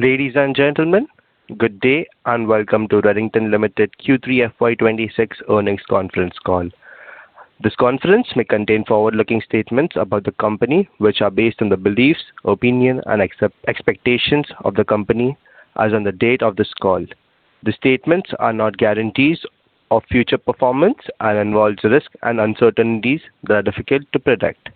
Ladies and gentlemen, good day, and welcome to Redington Limited Q3 FY26 Earnings Conference Call. This conference may contain forward-looking statements about the company, which are based on the beliefs, opinions, and expectations of the company as on the date of this call. The statements are not guarantees of future performance and involve risks and uncertainties that are difficult to predict.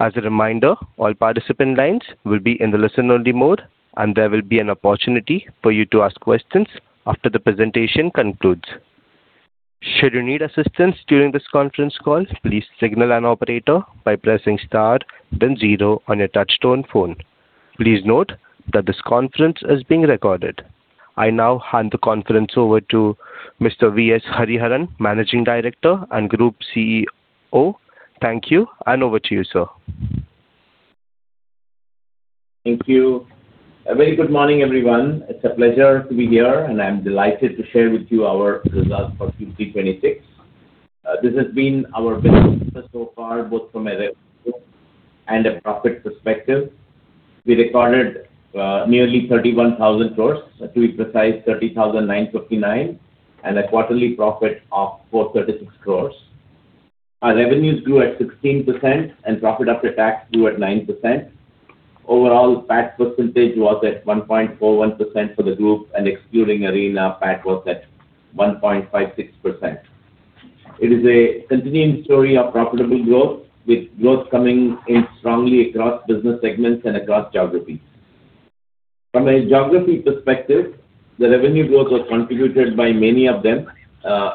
As a reminder, all participant lines will be in the listen-only mode, and there will be an opportunity for you to ask questions after the presentation concludes. Should you need assistance during this conference call, please signal an operator by pressing star then zero on your touchtone phone. Please note that this conference is being recorded. I now hand the conference over to Mr. V.S. Hariharan, Managing Director and Group CEO. Thank you, and over to you, sir. Thank you. A very good morning, everyone. It's a pleasure to be here, and I'm delighted to share with you our results for Q3 2026. This has been our best quarter so far, both from a revenue and a profit perspective. We recorded nearly 31,000 crores. To be precise, 30,959 crores, and a quarterly profit of 436 crores. Our revenues grew at 16%, and profit after tax grew at 9%. Overall, PAT percentage was at 1.41% for the group, and excluding Arena, PAT was at 1.56%. It is a continuing story of profitable growth, with growth coming in strongly across business segments and across geographies. From a geography perspective, the revenue growth was contributed by many of them.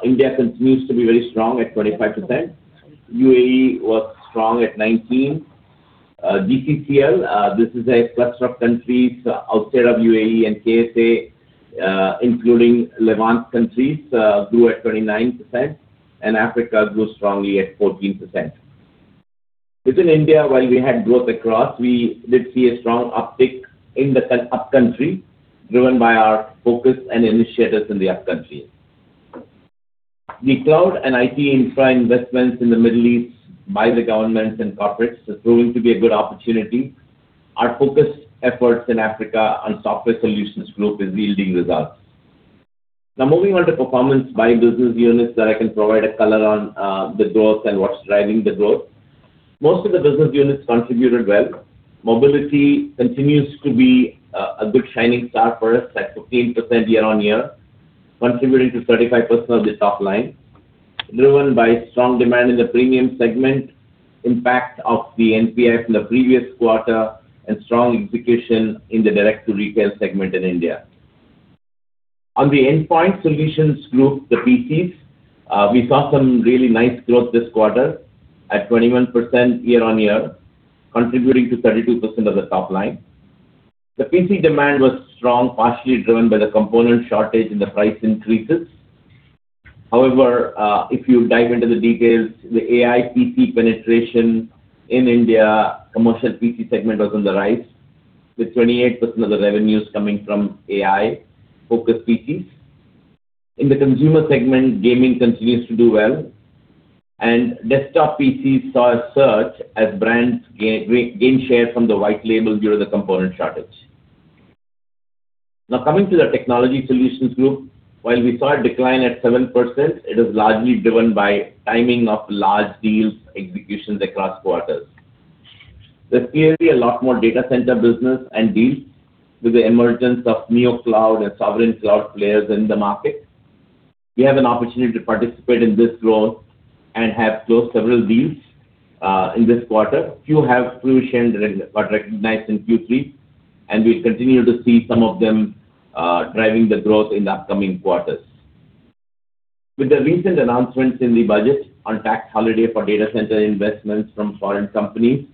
India continues to be very strong at 25%. UAE was strong at 19%. GCC, this is a cluster of countries outside of UAE and KSA, including Levant countries, grew at 29%, and Africa grew strongly at 14%. Within India, while we had growth across, we did see a strong uptick in the upcountry, driven by our focus and initiatives in the upcountry. The cloud and IT infra investments in the Middle East by the governments and corporates is proving to be a good opportunity. Our focused efforts in Africa on Software Solutions Group is yielding results. Now, moving on to performance by business units that I can provide a color on, the growth and what's driving the growth. Most of the business units contributed well. Mobility continues to be a good shining star for us at 15% year-on-year, contributing to 35% of the top line, driven by strong demand in the premium segment, impact of the NPI from the previous quarter, and strong execution in the direct-to-retail segment in India. On the Endpoint Solutions Group, the PCs, we saw some really nice growth this quarter at 21% year-on-year, contributing to 32% of the top line. The PC demand was strong, partially driven by the component shortage and the price increases. However, if you dive into the details, the AI PC penetration in India, commercial PC segment was on the rise, with 28% of the revenues coming from AI-focused PCs. In the consumer segment, gaming continues to do well, and desktop PCs saw a surge as brands gain share from the white label due to the component shortage. Now, coming to the Technology Solutions Group, while we saw a decline at 7%, it is largely driven by timing of large deals executions across quarters. There's clearly a lot more data center business and deals with the emergence of neo cloud and sovereign cloud players in the market. We have an opportunity to participate in this growth and have closed several deals in this quarter. Few have fruitioned were recognized in Q3, and we continue to see some of them driving the growth in the upcoming quarters. With the recent announcements in the budget on tax holiday for data center investments from foreign companies,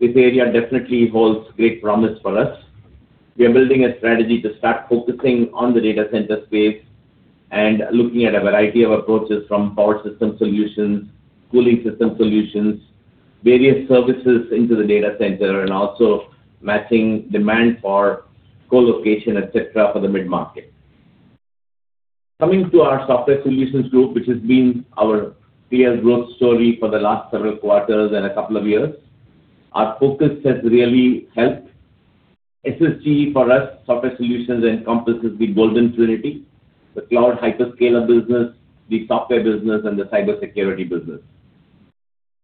this area definitely holds great promise for us. We are building a strategy to start focusing on the data center space and looking at a variety of approaches from power system solutions, cooling system solutions, various services into the data center, and also matching demand for co-location, et cetera, for the mid-market. Coming to our Software Solutions Group, which has been our clear growth story for the last several quarters and a couple of years, our focus has really helped. SSG for us, Software Solutions Group, encompasses the golden trinity: the cloud hyperscaler business, the software business, and the cybersecurity business,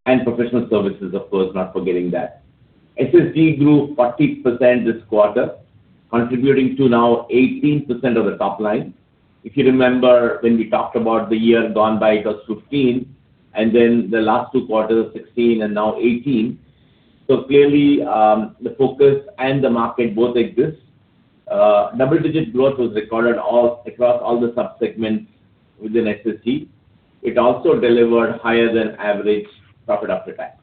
and professional services, of course, not forgetting that. SSG grew 40% this quarter, contributing to now 18% of the top line. If you remember when we talked about the year gone by, it was 15, and then the last two quarters, 16, and now 18. So clearly, the focus and the market both exist. Double-digit growth was recorded across all the sub-segments within SSG. It also delivered higher than average profit after tax.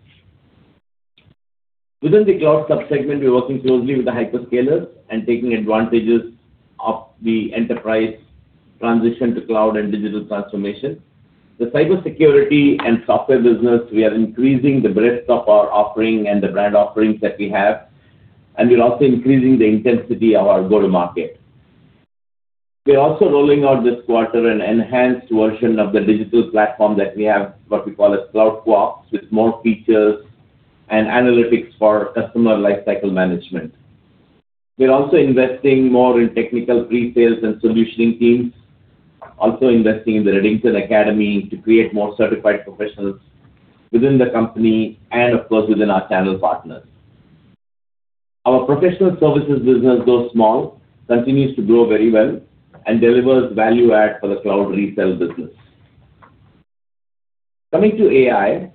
Within the cloud sub-segment, we're working closely with the hyperscalers and taking advantages of the enterprise transition to cloud and digital transformation. The cybersecurity and software business, we are increasing the breadth of our offering and the brand offerings that we have, and we're also increasing the intensity of our go-to-market. We are also rolling out this quarter an enhanced version of the digital platform that we have, what we call CloudQuarks, with more features and analytics for customer lifecycle management. We're also investing more in technical pre-sales and solutioning teams, also investing in the Redington Academy to create more certified professionals within the company and, of course, within our channel partners. Our professional services business, though small, continues to grow very well and delivers value add for the cloud resale business. Coming to AI,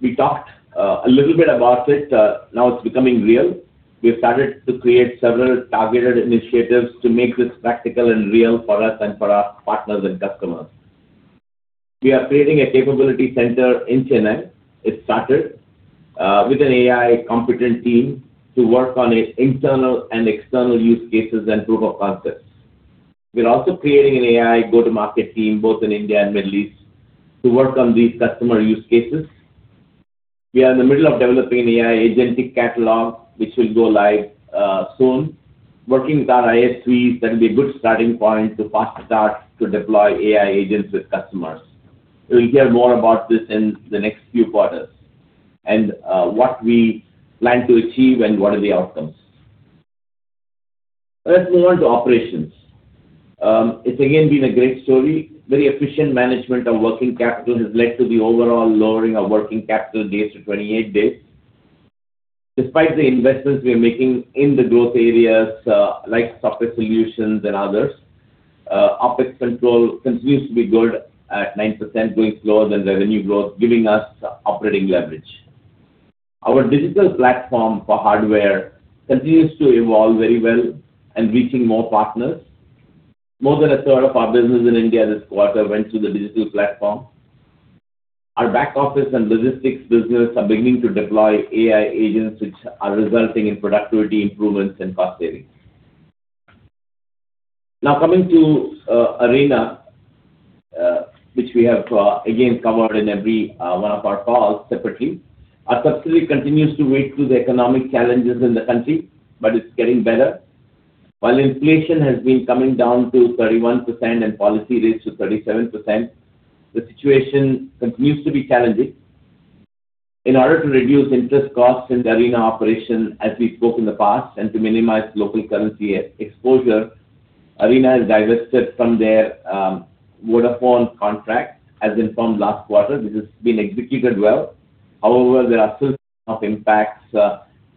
we talked, a little bit about it, now it's becoming real. We've started to create several targeted initiatives to make this practical and real for us and for our partners and customers. We are creating a capability center in Chennai. It started, with an AI competent team to work on its internal and external use cases and proof of concepts. We're also creating an AI go-to-market team, both in India and Middle East, to work on these customer use cases. We are in the middle of developing an AI agentic catalog, which will go live, soon. Working with our ISVs, that will be a good starting point to fast start to deploy AI agents with customers. So you'll hear more about this in the next few quarters and what we plan to achieve and what are the outcomes. Let's move on to operations. It's again been a great story. Very efficient management of working capital has led to the overall lowering of working capital days to 28 days. Despite the investments we are making in the growth areas, like software solutions and others, OpEx control continues to be good at 9%, growing slower than revenue growth, giving us operating leverage. Our digital platform for hardware continues to evolve very well and reaching more partners. More than a third of our business in India this quarter went to the digital platform. Our back office and logistics business are beginning to deploy AI agents, which are resulting in productivity improvements and cost savings. Now, coming to Arena, which we have again covered in every one of our calls separately. Our subsidiary continues to wait through the economic challenges in the country, but it's getting better. While inflation has been coming down to 31% and policy rates to 37%, the situation continues to be challenging. In order to reduce interest costs in the Arena operation, as we've spoke in the past, and to minimize local currency exposure, Arena has divested from their Vodafone contract, as informed last quarter. This has been executed well. However, there are still some impacts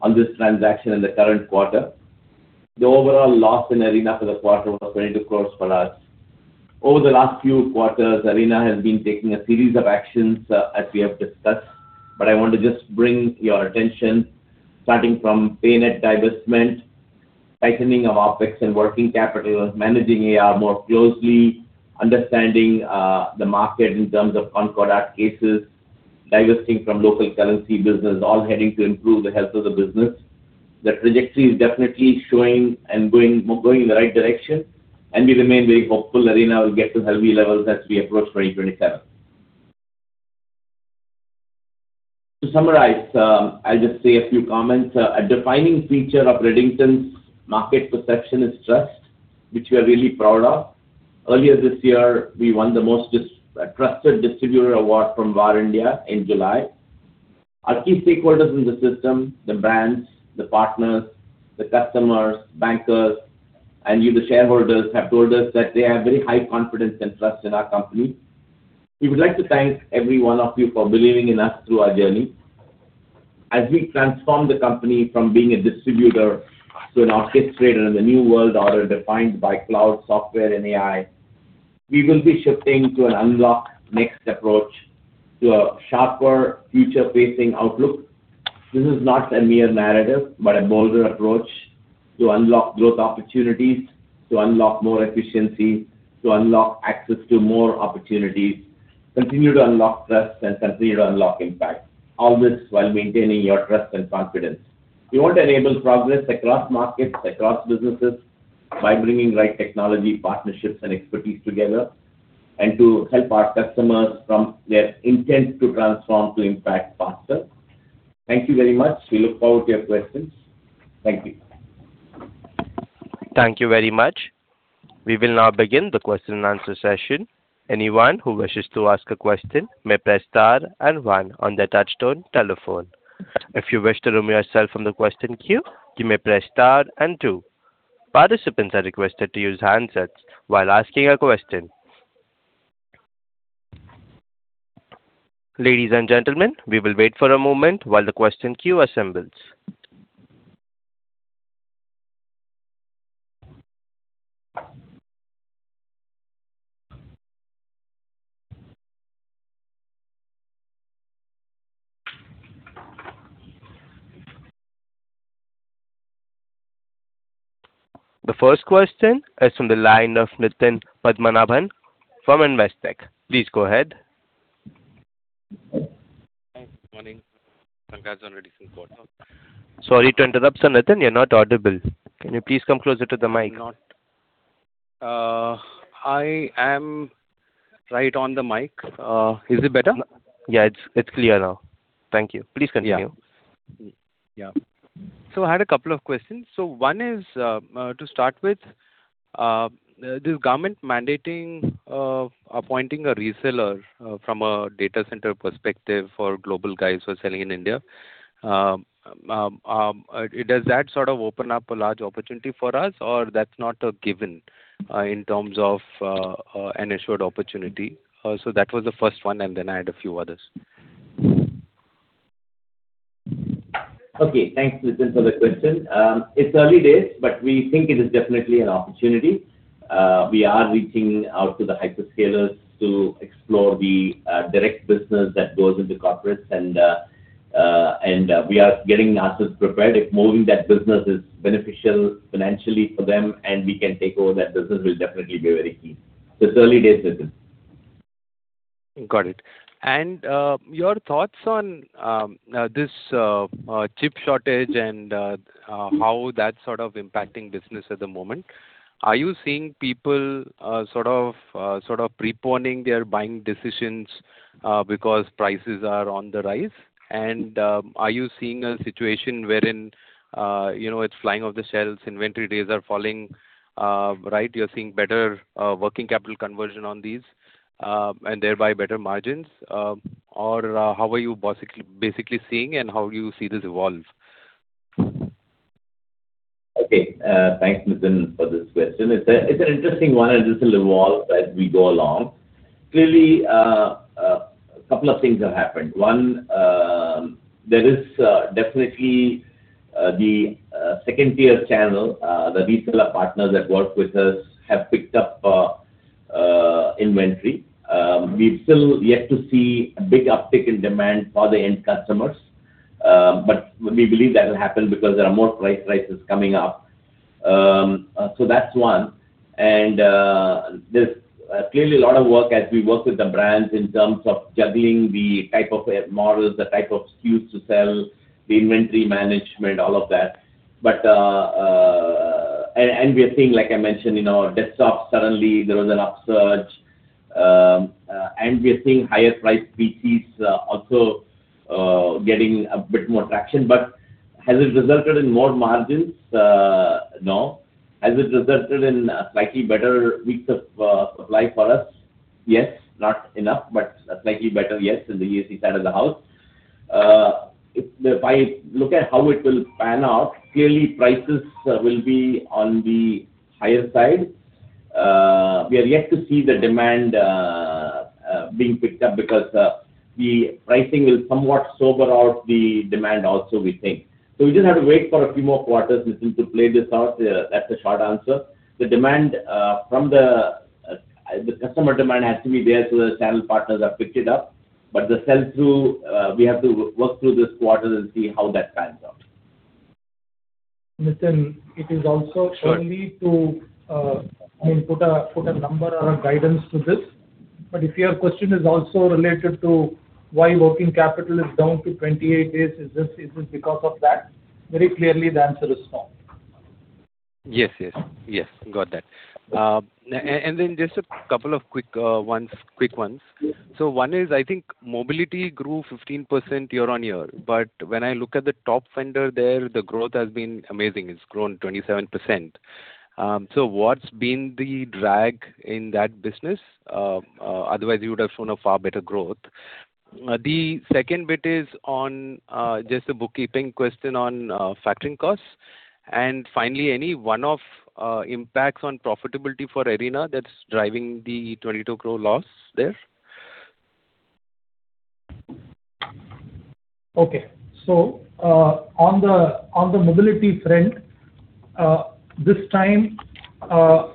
on this transaction in the current quarter. The overall loss in Arena for the quarter was 22 crores for us. Over the last few quarters, Arena has been taking a series of actions, as we have discussed, but I want to just bring your attention, starting from Paynet divestment, tightening of OpEx and working capital, managing AR more closely, understanding the market in terms of on-product cases, divesting from local currency business, all heading to improve the health of the business. The trajectory is definitely showing and going, going in the right direction, and we remain very hopeful Arena will get to healthy levels as we approach 2027. To summarize, I'll just say a few comments. A defining feature of Redington's market perception is trust, which we are really proud of. Earlier this year, we won the Most Trusted Distributor Award from VARINDIA in July. Our key stakeholders in the system, the brands, the partners, the customers, bankers, and you, the shareholders, have told us that they have very high confidence and trust in our company. We would like to thank every one of you for believing in us through our journey. As we transform the company from being a distributor to an orchestrator in the new world order, defined by cloud, software, and AI, we will be shifting to an Unlock Next approach to a sharper, future-facing outlook. This is not a mere narrative, but a bolder approach to unlock growth opportunities, to unlock more efficiency, to unlock access to more opportunities, continue to unlock trust, and continue to unlock impact. All this while maintaining your trust and confidence. We want to enable progress across markets, across businesses, by bringing right technology, partnerships, and expertise together, and to help our customers from their intent to transform to impact faster. Thank you very much. We look forward to your questions. Thank you. Thank you very much. We will now begin the question and answer session. Anyone who wishes to ask a question may press star and one on their touchtone telephone. If you wish to remove yourself from the question queue, you may press star and two. Participants are requested to use handsets while asking a question. Ladies and gentlemen, we will wait for a moment while the question queue assembles. The first question is from the line of Nitin Padmanabhan from Investec. Please go ahead. Good morning. Thanks for the Redington quarter. Sorry to interrupt, Sir Nithin, you're not audible. Can you please come closer to the mic? I am right on the mic. Is it better? Yeah, it's, it's clear now. Thank you. Please continue. Yeah. Yeah. So I had a couple of questions. So one is, to start with, the government mandating, appointing a reseller, from a data center perspective for global guys who are selling in India. Does that sort of open up a large opportunity for us, or that's not a given, in terms of, an assured opportunity? So that was the first one, and then I had a few others. Okay, thanks, Nithin, for the question. It's early days, but we think it is definitely an opportunity. We are reaching out to the hyperscalers to explore the direct business that goes into corporates, and we are getting ourselves prepared. If moving that business is beneficial financially for them, and we can take over that business, we'll definitely be very keen. It's early days business. Got it. And your thoughts on this chip shortage and how that's sort of impacting business at the moment. Are you seeing people sort of preponing their buying decisions because prices are on the rise? And are you seeing a situation wherein you know, it's flying off the shelves, inventory days are falling right? You're seeing better working capital conversion on these and thereby better margins? Or how are you basically seeing, and how do you see this evolve? Okay, thanks, Nithin, for this question. It's an interesting one, and this will evolve as we go along. Clearly, couple of things have happened. One, there is definitely the second-tier channel, the reseller partners that work with us have picked up inventory. We've still yet to see a big uptick in demand for the end customers, but we believe that will happen because there are more price, prices coming up. So that's one. And, there's clearly a lot of work as we work with the brands in terms of juggling the type of models, the type of SKUs to sell, the inventory management, all of that. But we are seeing, like I mentioned, in our desktops, suddenly there was an upsurge. And we are seeing higher priced PCs, also, getting a bit more traction. But has it resulted in more margins? No. Has it resulted in a slightly better weeks of supply for us? Yes, not enough, but a slightly better yes, in the ESG side of the house. If I look at how it will pan out, clearly, prices will be on the higher side. We are yet to see the demand being picked up because the pricing will somewhat sober out the demand also, we think. So we just have to wait for a few more quarters, Nithin, to play this out. That's the short answer. The demand from the customer demand has to be there, so the channel partners have picked it up. But the sell-through, we have to work through this quarter and see how that pans out. Nithin, it is also. Sure. Too early to, I mean, put a, put a number or a guidance to this. But if your question is also related to why working capital is down to 28 days, is this, is it because of that? Very clearly, the answer is no. Yes, yes. Yes, got that. And then just a couple of quick ones, quick ones. Yes. So one is, I think mobility grew 15% year-on-year. But when I look at the top vendor there, the growth has been amazing. It's grown 27%. So what's been the drag in that business? Otherwise, you would have shown a far better growth. The second bit is on just a bookkeeping question on factoring costs. And finally, any one-off impacts on profitability for Arena that's driving the 22 crore loss there? Okay. So, on the mobility front, this time, I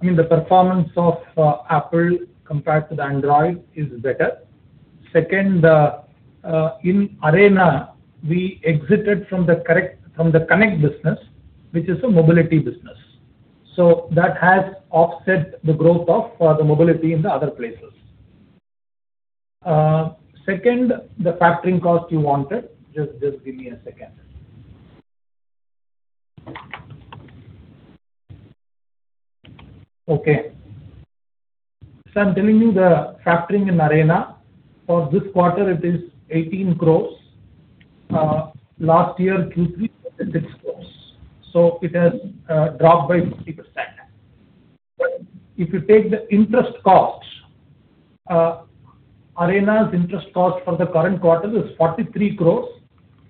mean, the performance of Apple compared to the Android is better. Second, in Arena, we exited from the correct-- from the Connect business, which is a mobility business. So that has offset the growth of the mobility in the other places. Second, the factoring cost you wanted, just give me a second. Okay. So I'm telling you the factoring in Arena. For this quarter, it is 18 crore. Last year, Q3, it was 6 crore, so it has dropped by 50%. If you take the interest costs, Arena's interest cost for the current quarter is 43 crore.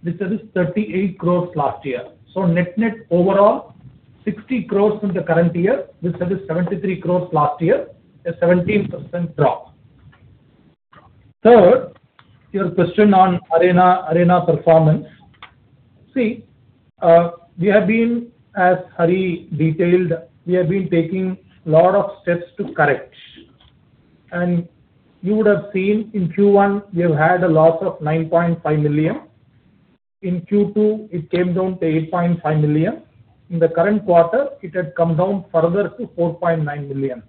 This is 38 crore last year. So net, net, overall, 60 crore in the current year. This was 73 crore last year, a 17% drop. Third, your question on Arena, Arena performance. See, we have been, as Hari detailed, we have been taking a lot of steps to correct. And you would have seen in Q1, we have had a loss of $9.5 million. In Q2, it came down to $8.5 million. In the current quarter, it has come down further to $4.9 million.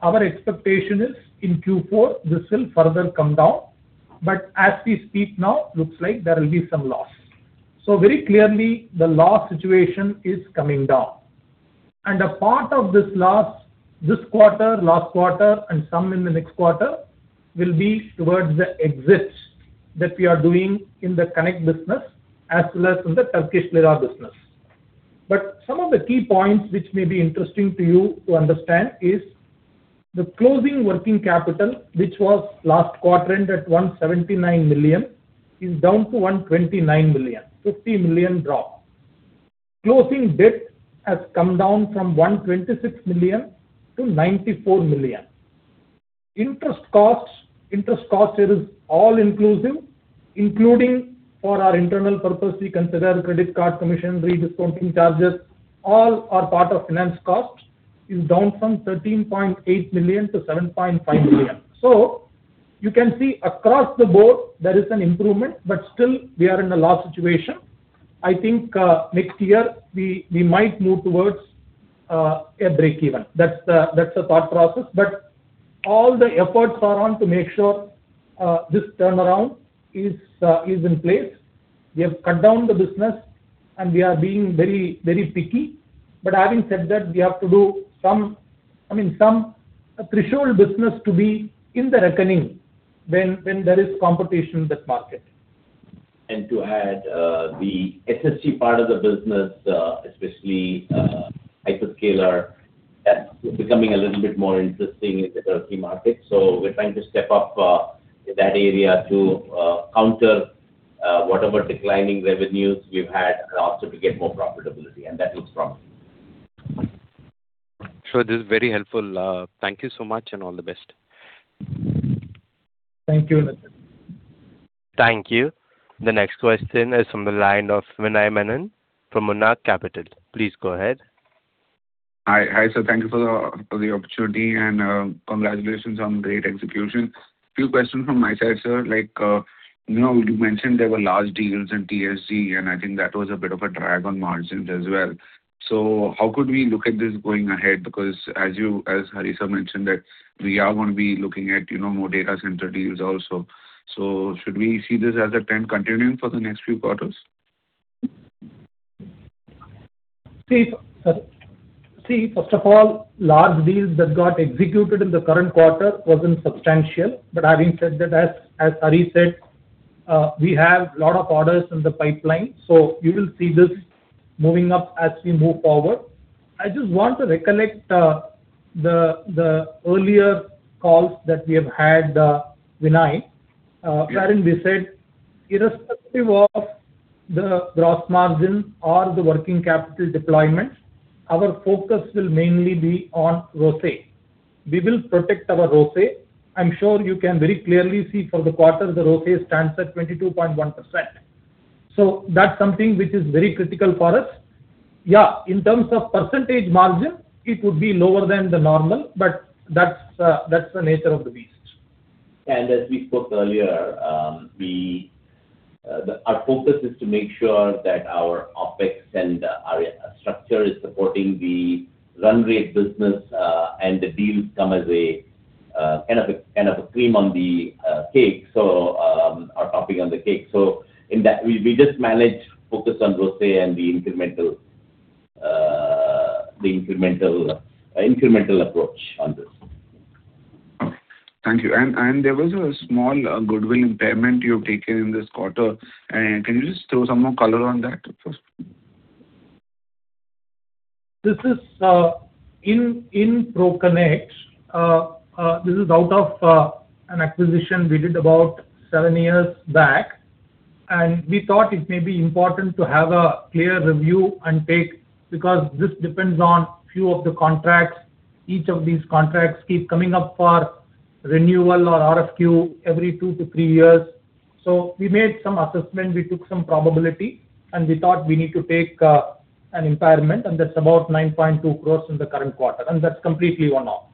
Our expectation is, in Q4, this will further come down, but as we speak now, looks like there will be some loss. So very clearly, the loss situation is coming down. And a part of this loss, this quarter, last quarter, and some in the next quarter, will be towards the exits that we are doing in the Connect business as well as in the Turkish lira business. But some of the key points which may be interesting to you to understand is, the closing working capital, which was last quarter ended at $179 million, is down to $129 million, $50 million drop. Closing debt has come down from $126 million to $94 million. Interest costs, interest costs, it is all inclusive, including for our internal purpose, we consider credit card commission, rediscounting charges, all are part of finance costs, is down from $13.8 million to $7.5 million. So you can see across the board, there is an improvement, but still we are in a loss situation. I think, next year, we, we might move towards, a break even. That's the, that's the thought process. But all the efforts are on to make sure, this turnaround is, is in place. We have cut down the business, and we are being very, very picky. But having said that, we have to do some, I mean, some threshold business to be in the reckoning when there is competition in that market. To add, the SSG part of the business, especially hyperscaler, that is becoming a little bit more interesting in the Turkey market. So we're trying to step up in that area to counter whatever declining revenues we've had, and also to get more profitability, and that looks promising. Sure, this is very helpful. Thank you so much, and all the best. Thank you. Thank you. The next question is from the line of Vinay Menon from Monarch Capital. Please go ahead. Hi. Hi, sir, thank you for the opportunity, and congratulations on great execution. Few questions from my side, sir. Like, you know, you mentioned there were large deals in TSG, and I think that was a bit of a drag on margins as well. So how could we look at this going ahead? Because as you—as Hariharan mentioned, that we are gonna be looking at, you know, more data center deals also. So should we see this as a trend continuing for the next few quarters? See, first of all, large deals that got executed in the current quarter wasn't substantial. But having said that, as Hari said, we have a lot of orders in the pipeline, so you will see this moving up as we move forward. I just want to recollect the earlier calls that we have had, Vinay, wherein we said, irrespective of the gross margin or the working capital deployment, our focus will mainly be on ROCE. We will protect our ROCE. I'm sure you can very clearly see for the quarter, the ROCE stands at 22.1%. So that's something which is very critical for us. Yeah, in terms of percentage margin, it would be lower than the normal, but that's the nature of the beast. As we spoke earlier, our focus is to make sure that our OpEx and our structure is supporting the run rate business, and the deals come as a kind of a cream on the cake, or topping on the cake. So in that, we just manage focus on ROCE and the incremental approach on this. Okay. Thank you. And there was a small goodwill impairment you've taken in this quarter. Can you just throw some more color on that, please? This is in ProConnect. This is out of an acquisition we did about seven years back, and we thought it may be important to have a clear review and take, because this depends on few of the contracts. Each of these contracts keep coming up for renewal or RFQ every two to three years. So we made some assessment, we took some probability, and we thought we need to take an impairment, and that's about 9.2 crores in the current quarter, and that's completely one-off.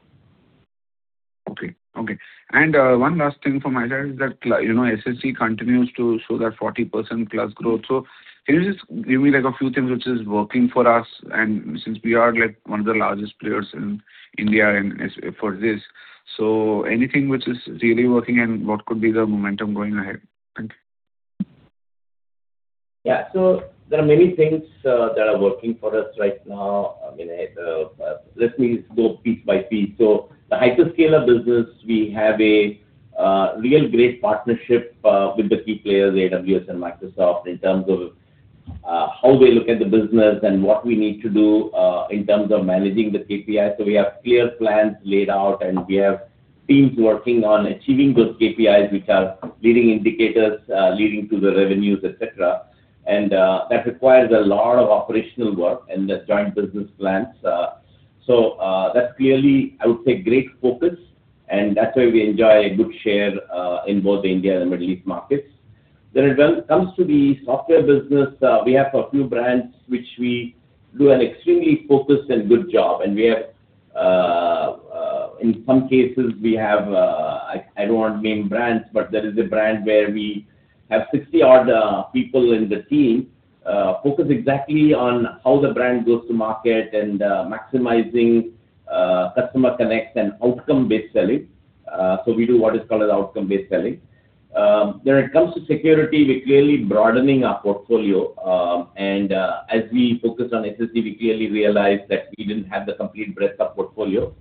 Okay, okay. And one last thing from my side is that, you know, SSG continues to show that 40%+ growth. So can you just give me, like, a few things which is working for us, and since we are, like, one of the largest players in India and as for this, so anything which is really working, and what could be the momentum going ahead? Thank you. Yeah. So there are many things that are working for us right now, Vinay. Let me go piece by piece. So the hyperscaler business, we have a real great partnership with the key players, AWS and Microsoft, in terms of how they look at the business and what we need to do in terms of managing the KPIs. So we have clear plans laid out, and we have teams working on achieving those KPIs, which are leading indicators leading to the revenues, et cetera. And that requires a lot of operational work and the joint business plans. So that's clearly, I would say, great focus, and that's why we enjoy a good share in both the India and the Middle East markets. When it comes to the software business, we have a few brands which we do an extremely focused and good job, and we have. In some cases, we have, I don't want to name brands, but there is a brand where we have 60-odd people in the team, focused exactly on how the brand goes to market and maximizing customer connects and outcome-based selling. So we do what is called an outcome-based selling. When it comes to security, we're clearly broadening our portfolio. As we focus on SSG, we clearly realized that we didn't have the complete breadth of portfolio.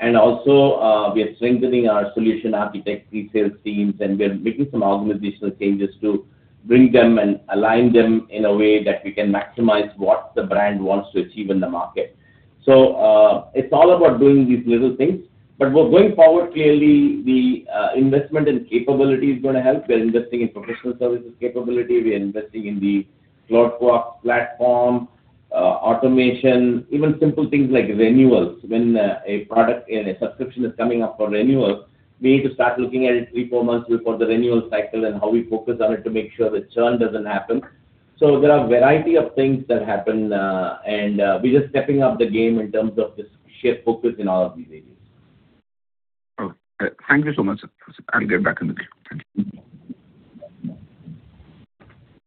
Also, we are strengthening our solution architect pre-sales teams, and we are making some organizational changes to bring them and align them in a way that we can maximize what the brand wants to achieve in the market. So, it's all about doing these little things. But going forward, clearly, the investment and capability is gonna help. We're investing in professional services capability, we are investing in the CloudQuarks platform, automation, even simple things like renewals. When a product and a subscription is coming up for renewal, we need to start looking at it three to four months before the renewal cycle and how we focus on it to make sure the churn doesn't happen. So there are a variety of things that happen, and we're just stepping up the game in terms of this shift focus in all of these areas. Okay. Thank you so much, sir. I'm getting back in the queue. Thank you.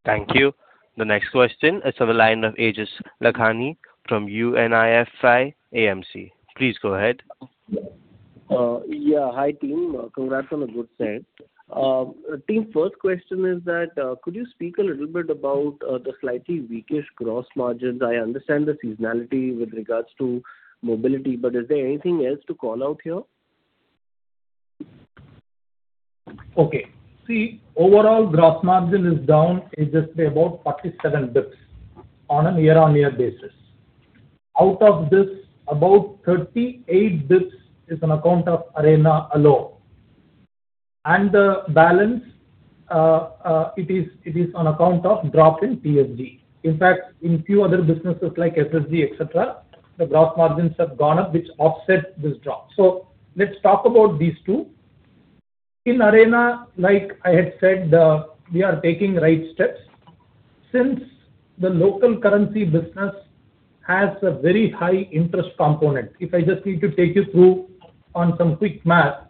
Thank you. The next question is on the line of Aejas Lakhani from Unifi AMC. Please go ahead. Yeah. Hi, team. Congrats on a good set. Team, first question is that, could you speak a little bit about the slightly weakish gross margins? I understand the seasonality with regards to mobility, but is there anything else to call out here? Okay. See, overall gross margin is down, it's just about 47 basis points on a year-on-year basis. Out of this, about 38 basis points is on account of Arena alone. And the balance, it is on account of drop in TSG. In fact, in few other businesses like SSG, et cetera, the gross margins have gone up, which offset this drop. So let's talk about these two. In Arena, like I had said, we are taking the right steps. Since the local currency business has a very high interest component, if I just need to take you through on some quick math,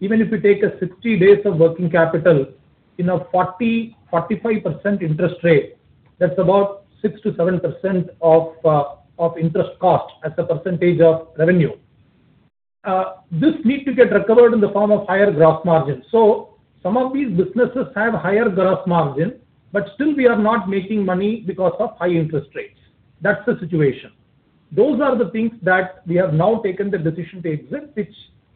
even if you take 60 days of working capital in a 40% to 45% interest rate, that's about 6% to 7% of interest cost as a percentage of revenue. This need to get recovered in the form of higher gross margin. So some of these businesses have higher gross margin, but still we are not making money because of high interest rates. That's the situation. Those are the things that we have now taken the decision to exit, which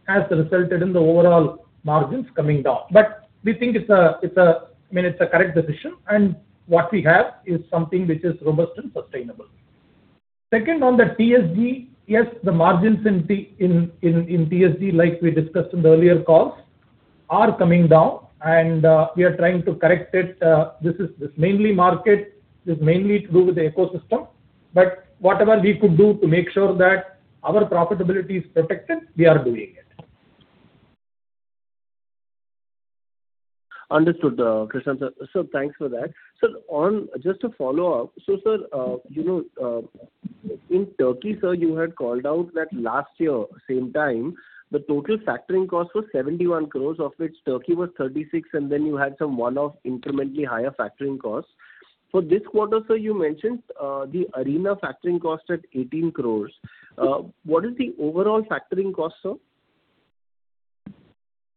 has resulted in the overall margins coming down. But we think it's a, I mean, it's a correct decision, and what we have is something which is robust and sustainable. Second, on the TSG, yes, the margins in TSG, like we discussed in the earlier calls, are coming down, and we are trying to correct it. This is mainly to do with the ecosystem. But whatever we could do to make sure that our profitability is protected, we are doing it. Understood, Krishnan sir. So thanks for that. Sir, on. Just to follow up, so, sir, you know, in Turkey, sir, you had called out that last year, same time, the total factoring cost was 71 crore, of which Turkey was 36 crore, and then you had some one-off incrementally higher factoring costs. For this quarter, sir, you mentioned the Arena factoring cost at 18 crore. What is the overall factoring cost, sir?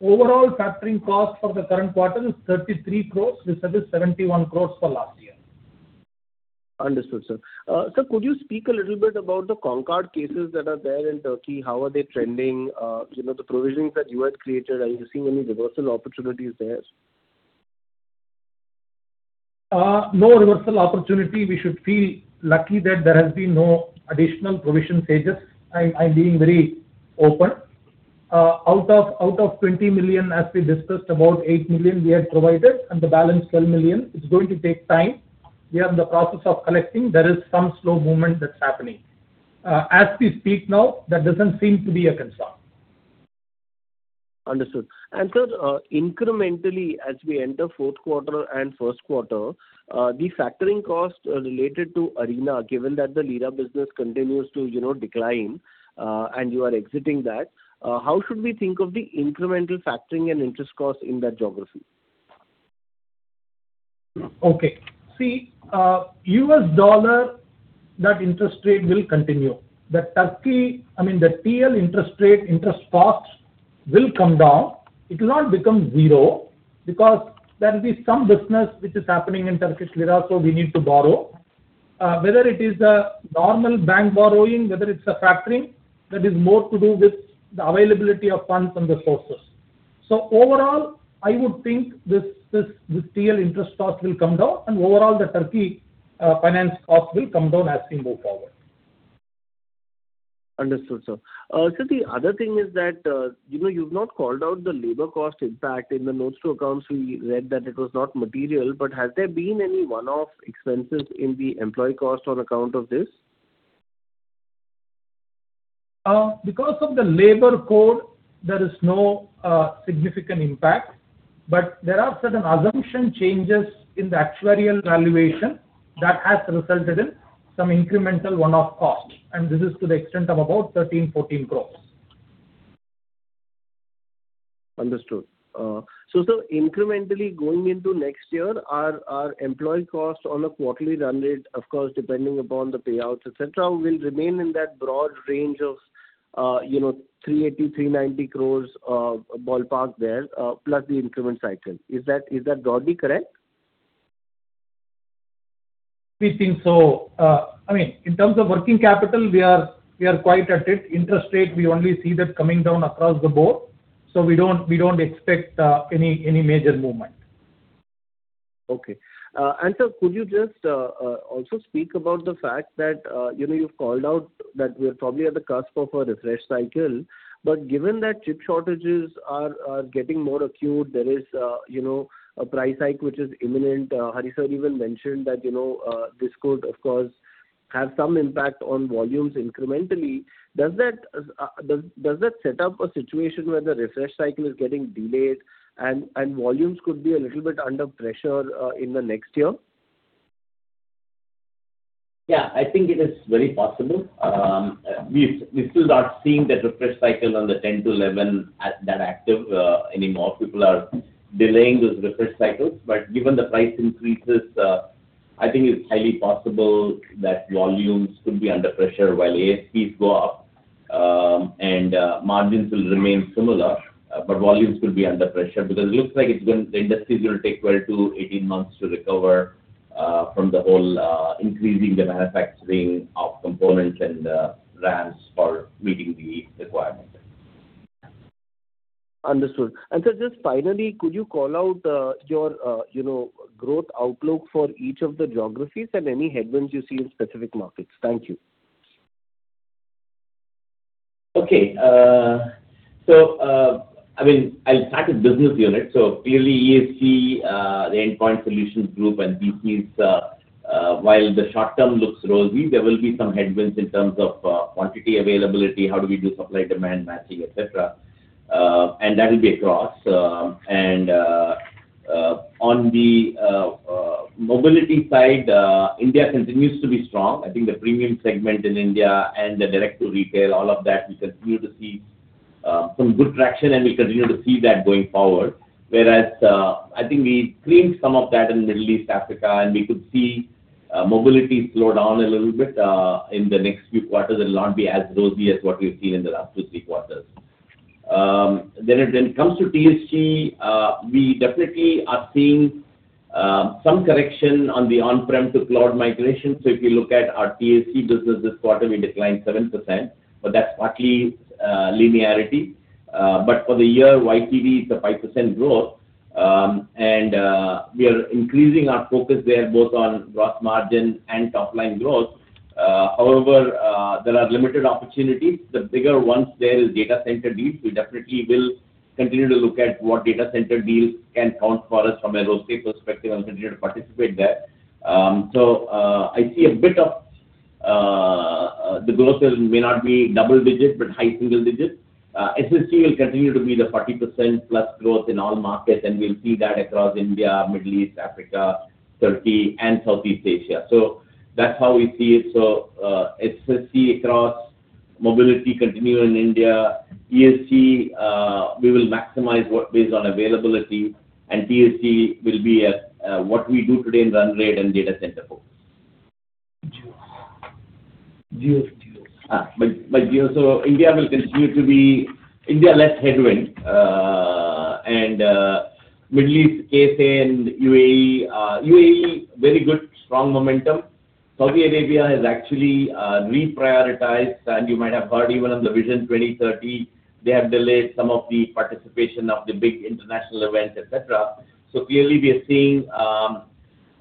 Overall factoring cost for the current quarter is 33 crores, versus 71 crores for last year. Understood, sir. Sir, could you speak a little bit about the konkordato cases that are there in Turkey? How are they trending? You know, the provisions that you had created, are you seeing any reversal opportunities there? No reversal opportunity. We should feel lucky that there has been no additional provision stages. I'm being very open. Out of 20 million, as we discussed, about 8 million we have provided, and the balance 12 million, it's going to take time. We are in the process of collecting. There is some slow movement that's happening. As we speak now, that doesn't seem to be a concern. Understood. And, sir, incrementally, as we enter fourth quarter and first quarter, the factoring costs related to Arena, given that the Lira business continues to, you know, decline, and you are exiting that, how should we think of the incremental factoring and interest costs in that geography? Okay. See, US dollar, that interest rate will continue. The Turkey, I mean, the TL interest rate, interest costs will come down. It will not become zero, because there will be some business which is happening in Turkish lira, so we need to borrow. Whether it is a normal bank borrowing, whether it's a factoring, that is more to do with the availability of funds from the sources. So overall, I would think this, the TL interest cost will come down, and overall, the Turkey, finance cost will come down as we move forward. Understood, sir. Sir, the other thing is that, you know, you've not called out the labor cost impact. In the notes to accounts, we read that it was not material, but has there been any one-off expenses in the employee cost on account of this? Because of the labor code, there is no significant impact, but there are certain assumption changes in the actuarial valuation that has resulted in some incremental one-off costs, and this is to the extent of about 13-14 crores. Understood. So, sir, incrementally going into next year, our, our employee costs on a quarterly run rate, of course, depending upon the payouts, et cetera, will remain in that broad range of, you know, 380 crores-390 crores, ballpark there, plus the increment cycle. Is that, is that broadly correct? We think so, I mean, in terms of working capital, we are quite at it. Interest rate, we only see that coming down across the board, so we don't expect any major movement. Okay. And sir, could you just also speak about the fact that, you know, you've called out that we are probably at the cusp of a refresh cycle. But given that chip shortages are getting more acute, there is, you know, a price hike which is imminent. Hari sir even mentioned that, you know, this could, of course, have some impact on volumes incrementally. Does that set up a situation where the refresh cycle is getting delayed, and volumes could be a little bit under pressure in the next year? Yeah, I think it is very possible. We still are seeing that refresh cycle on the 10 to 11 OS as that active anymore. People are delaying those refresh cycles. But given the price increases, I think it's highly possible that volumes could be under pressure while ASPs go up. And margins will remain similar, but volumes could be under pressure. Because it looks like it's going, the industries will take 12-18 months to recover from the whole increasing the manufacturing of components and RAMs for meeting the requirements. Understood. And sir, just finally, could you call out, your, you know, growth outlook for each of the geographies and any headwinds you see in specific markets? Thank you. Okay. So, I mean, I'll start with business unit. So clearly, ESG, the Endpoint Solutions Group, and MSG, while the short term looks rosy, there will be some headwinds in terms of, quantity availability, how do we do supply-demand matching, et cetera, and that will be across. And, on the mobility side, India continues to be strong. I think the premium segment in India and the direct to retail, all of that, we continue to see, some good traction, and we continue to see that going forward. Whereas, I think we cleaned some of that in Middle East, Africa, and we could see, mobility slow down a little bit, in the next few quarters. It will not be as rosy as what we've seen in the last two, three quarters. Then when it comes to TSG, we definitely are seeing some correction on the on-prem to cloud migration. So if you look at our TSG business this quarter, we declined 7%, but that's partly linearity. But for the year, YTD, it's a 5% growth. And we are increasing our focus there, both on gross margin and top-line growth. However, there are limited opportunities. The bigger ones there is data center deals. We definitely will continue to look at what data center deals can count for us from a ROCE perspective and continue to participate there. So, I see a bit of, the growth may not be double digit, but high single digit. SSG will continue to be the 40%+ growth in all markets, and we'll see that across India, Middle East, Africa, Turkey, and Southeast Asia. So that's how we see it. SSG across mobility continue in India. ESG, we will maximize work based on availability, and TSG will be at, what we do today in run rate and data center folks. Geos. By geo, so India will continue to be India less headwind. And Middle East, KSA and UAE, UAE very good, strong momentum. Saudi Arabia is actually reprioritized, and you might have heard even on the Vision 2030, they have delayed some of the participation of the big international events, et cetera. So clearly, we are seeing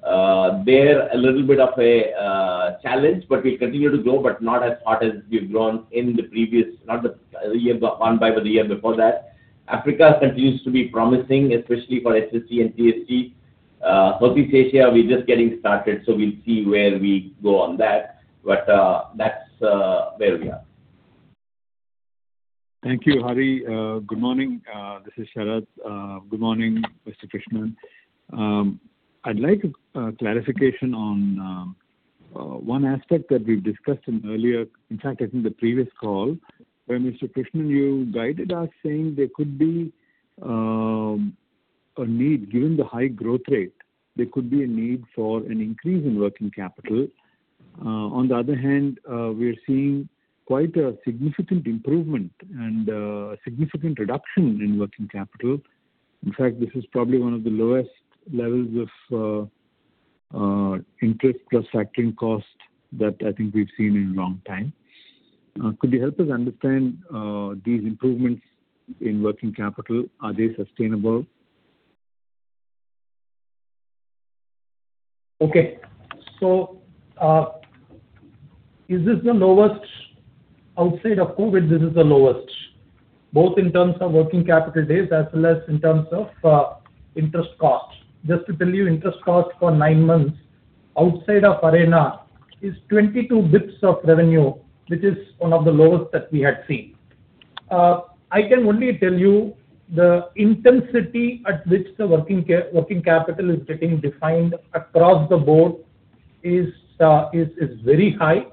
there a little bit of a challenge, but we continue to grow, but not as hot as we've grown in the previous—not the year gone by, but the year before that. Africa continues to be promising, especially for SSG and TSG. Southeast Asia, we're just getting started, so we'll see where we go on that. But that's where we are. Thank you, Hari. Good morning. This is Sharat. Good morning, Mr. Krishnan. I'd like clarification on one aspect that we've discussed in earlier... In fact, I think the previous call, where, Mr. Krishnan, you guided us, saying there could be a need, given the high growth rate, there could be a need for an increase in working capital. On the other hand, we are seeing quite a significant improvement and significant reduction in working capital. In fact, this is probably one of the lowest levels of interest plus factoring cost that I think we've seen in a long time. Could you help us understand these improvements in working capital? Are they sustainable? Okay. So, is this the lowest? Outside of COVID, this is the lowest, both in terms of working capital days as well as in terms of interest cost. Just to tell you, interest cost for nine months outside of Arena is 22 basis points of revenue, which is one of the lowest that we had seen. I can only tell you the intensity at which the working capital is getting defined across the board is very high.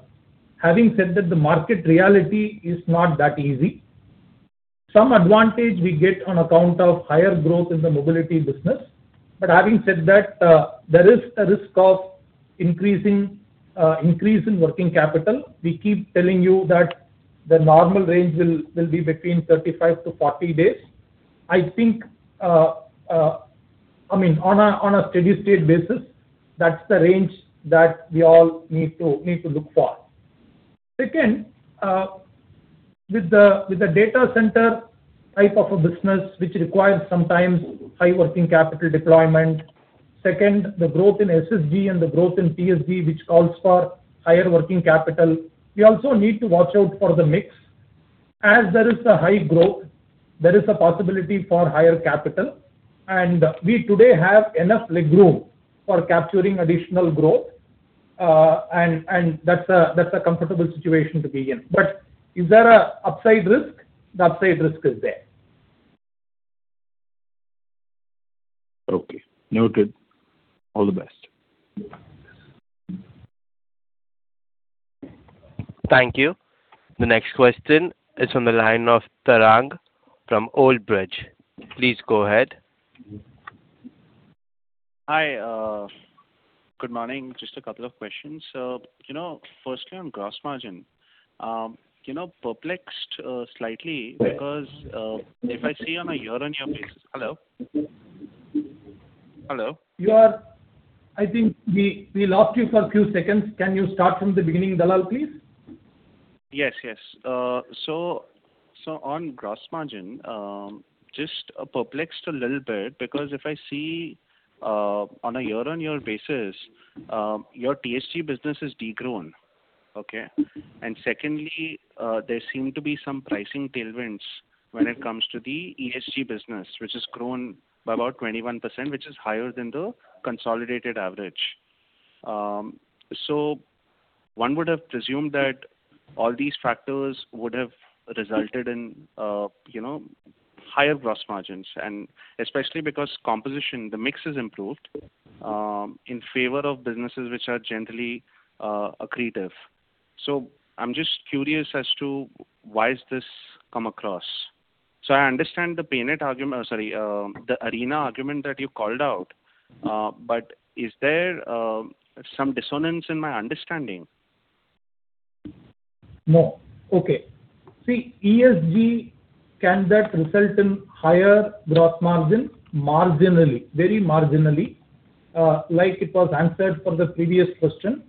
Having said that, the market reality is not that easy. Some advantage we get on account of higher growth in the mobility business. But having said that, there is a risk of increase in working capital. We keep telling you that the normal range will be between 35 to 40 days. I think, I mean, on a steady state basis, that's the range that we all need to look for. Second, with the data center type of a business, which requires sometimes high working capital deployment. Second, the growth in SSG and the growth in TSG, which calls for higher working capital. We also need to watch out for the mix. As there is a high growth, there is a possibility for higher capital, and we today have enough leg room for capturing additional growth, and that's a comfortable situation to be in. But is there a upside risk? The upside risk is there. Okay, noted. All the best. Thank you. The next question is on the line of Tarang from Old Bridge. Please go ahead. Hi, good morning. Just a couple of questions. So, you know, firstly, on gross margin, you know, perplexed, slightly. Right. Because, if I see on a year-on-year basis. Hello? Hello. You are—I think we lost you for a few seconds. Can you start from the beginning, Tarang, please? Yes, yes. So, so on gross margin, just perplexed a little bit, because if I see, on a year-on-year basis, your TSG business has degrown. Okay? And secondly, there seem to be some pricing tailwinds when it comes to the ESG business, which has grown by about 21%, which is higher than the consolidated average. So one would have presumed that all these factors would have resulted in, you know, higher gross margins, and especially because composition, the mix has improved, in favor of businesses which are generally, accretive. So I'm just curious as to why is this come across? So I understand the Paynet argument... Sorry, the Arena argument that you called out, but is there, some dissonance in my understanding? No. Okay. See, ESG, can that result in higher gross margin? Marginally, very marginally, like it was answered for the previous question.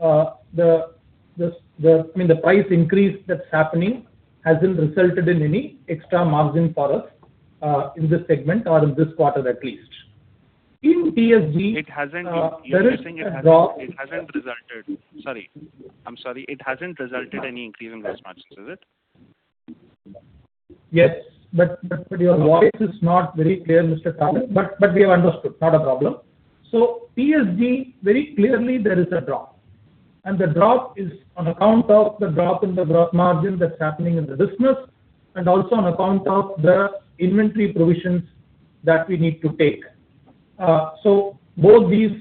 I mean, the price increase that's happening hasn't resulted in any extra margin for us, in this segment or in this quarter, at least. In TSG. It hasn't, you're saying it hasn't, it hasn't resulted... Sorry. I'm sorry. It hasn't resulted in any increase in gross margins, is it? Yes, but your voice is not very clear, Mr. Tarang, but we have understood. Not a problem. So TSG, very clearly, there is a drop, and the drop is on account of the drop in the gross margin that's happening in the business, and also on account of the inventory provisions that we need to take. So both these,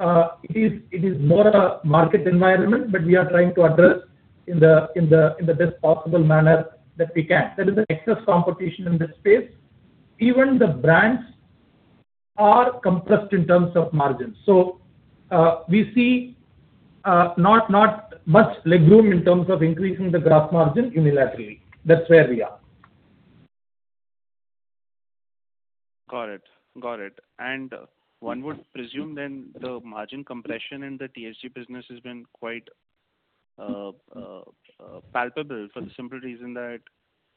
it is more a market environment, but we are trying to address in the best possible manner that we can. There is an excess competition in this space. Even the brands are compressed in terms of margins. So, we see, not much legroom in terms of increasing the gross margin unilaterally. That's where we are. Got it. Got it. And one would presume then, the margin compression in the TSG business has been quite palpable for the simple reason that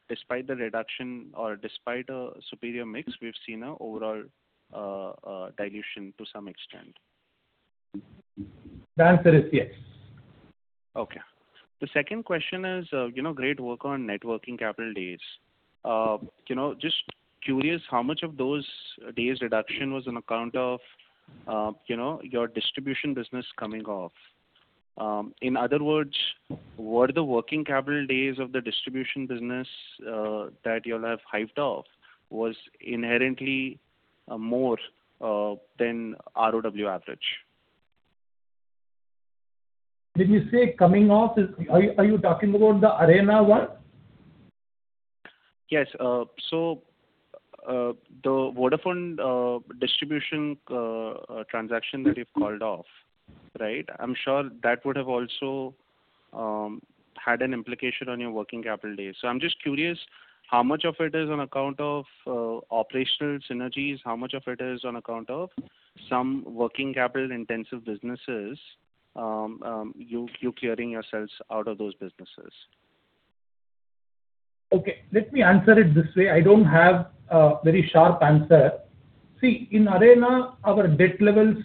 despite the reduction or despite a superior mix, we've seen a overall dilution to some extent. The answer is yes. Okay. The second question is, you know, great work on net working capital days. You know, just curious, how much of those days reduction was on account of, you know, your distribution business coming off? In other words, were the working capital days of the distribution business, that you'll have hived off, was inherently, more, than ROW average? Did you say coming off? Are you, are you talking about the Arena one? Yes. So, the Vodafone distribution transaction that you've called off, right? I'm sure that would have also had an implication on your working capital days. So I'm just curious, how much of it is on account of operational synergies, how much of it is on account of some working capital-intensive businesses, you clearing yourselves out of those businesses? Okay, let me answer it this way. I don't have a very sharp answer. See, in Arena, our debt levels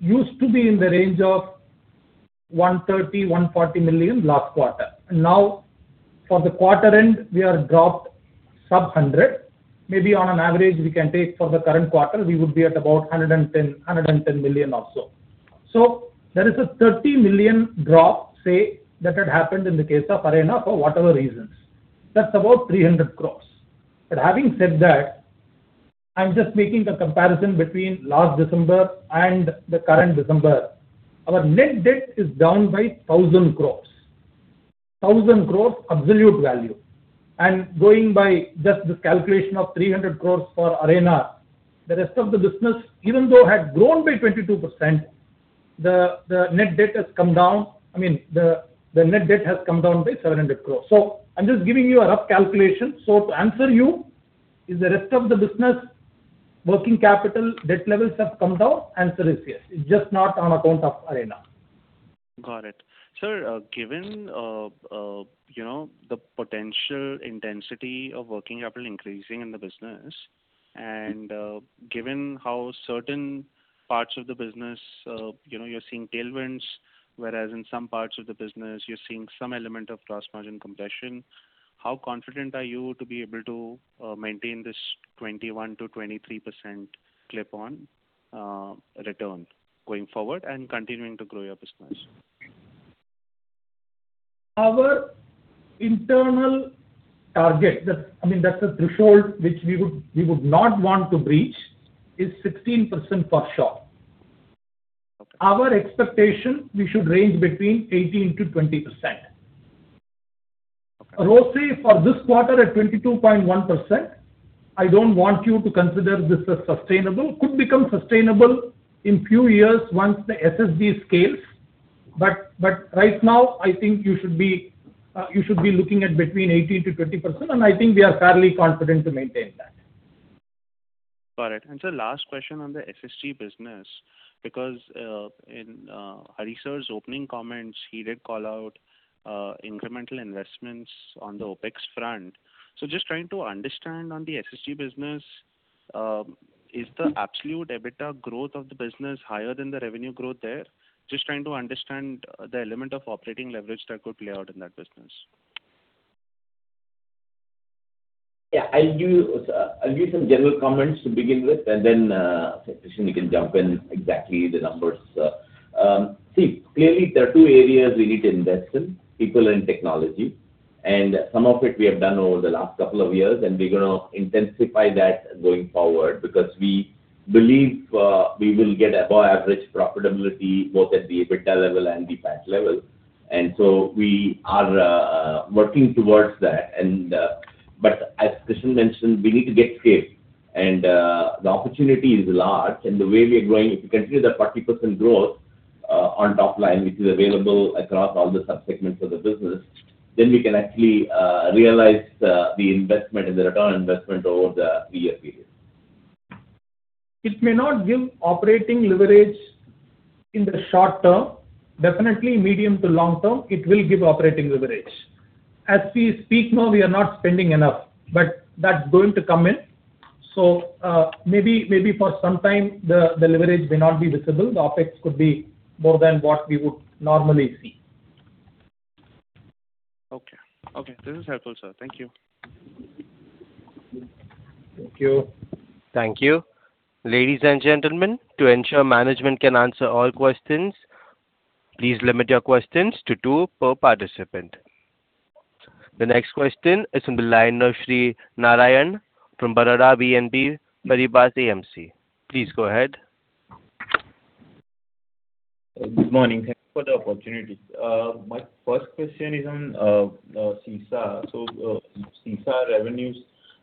used to be in the range of $130 million to $140 million last quarter. Now, for the quarter end, we are dropped sub-100. Maybe on an average, we can take for the current quarter, we would be at about 110, 110 million or so. So there is a $30 million drop, say, that had happened in the case of Arena for whatever reasons. That's about 300 crores. But having said that, I'm just making the comparison between last December and the current December. Our net debt is down by 1,000 crores. 1,000 crores, absolute value. Going by just this calculation of 300 crores for Arena, the rest of the business, even though had grown by 22%. The net debt has come down, I mean, the net debt has come down by 700 crores. So I'm just giving you a rough calculation. So to answer you, is the rest of the business working capital, debt levels have come down? Answer is yes. It's just not on account of Arena. Got it. Sir, given, you know, the potential intensity of working capital increasing in the business, and, given how certain parts of the business, you know, you're seeing tailwinds, whereas in some parts of the business, you're seeing some element of gross margin compression, how confident are you to be able to, maintain this 21% to 23% clip on, return going forward and continuing to grow your business? Our internal target, that's—I mean, that's a threshold which we would, we would not want to breach, is 16% for sure. Okay. Our expectation, we should range between 18% to 20%. Roughly, for this quarter at 22.1%, I don't want you to consider this as sustainable. Could become sustainable in few years once the SSG scales. But, but right now, I think you should be, you should be looking at between 18% to 20%, and I think we are fairly confident to maintain that. Got it. And sir, last question on the SSG business, because in Hariharan's opening comments, he did call out incremental investments on the OpEx front. So just trying to understand on the SSG business, is the absolute EBITDA growth of the business higher than the revenue growth there? Just trying to understand the element of operating leverage that could play out in that business. Yeah, I'll give you, I'll give some general comments to begin with, and then, Krishnan, you can jump in exactly the numbers. See, clearly, there are two areas we need to invest in, people and technology. And some of it we have done over the last couple of years, and we're gonna intensify that going forward, because we believe, we will get above average profitability, both at the EBITDA level and the PAT level. And so we are, working towards that, and... But as Krishnan mentioned, we need to get scale. And, the opportunity is large, and the way we are growing, if you consider the 40% growth, on top line, which is available across all the subsegments of the business, then we can actually, realize, the investment and the return on investment over the three-year period. It may not give operating leverage in the short term. Definitely, medium to long term, it will give operating leverage. As we speak now, we are not spending enough, but that's going to come in. So, maybe, maybe for some time, the, the leverage may not be visible. The OpEx could be more than what we would normally see. Okay. Okay, this is helpful, sir. Thank you. Thank you. Thank you. Ladies and gentlemen, to ensure management can answer all questions, please limit your questions to two per participant. The next question is from the line of Srinarayan from Baroda BNP Paribas AMC. Please go ahead. Good morning. Thank you for the opportunity. My first question is on SESA. So, SESA revenues